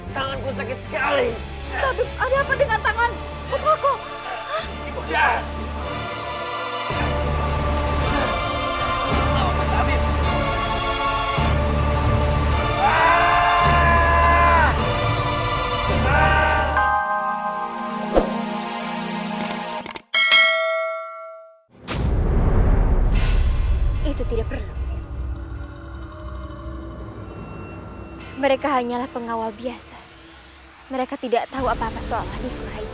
sampai jumpa di video selanjutnya